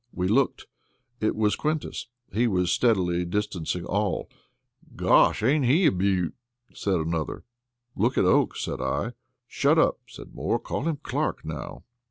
We looked. It was Quintus; he was steadily distancing all. "Gosh! Ain't he a beaut?" said another. "Look at Oakes," said I. "Shut up," said Moore. "Call him Clark, now."